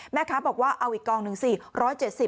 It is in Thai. แม่ค้าบอกว่าเอาอีกกองหนึ่งสิ